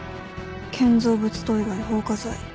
建造物等以外放火罪。